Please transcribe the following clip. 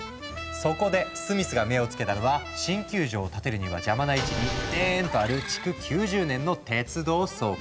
そこでスミスが目を付けたのは新球場を建てるには邪魔な位置にデーンッとある築９０年の鉄道倉庫。